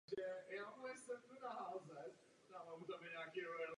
Také nechal postavit mnoho staveb.